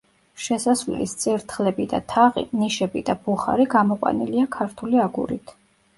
შესასვლელის წირთხლები და თაღი, ნიშები და ბუხარი გამოყვანილია ქართული აგურით.